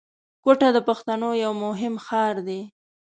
کوټه د پښتنو یو مهم ښار دی